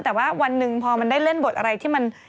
แต่ว่าวันหนึ่งพอมันได้เล่นบทอะไรที่มัน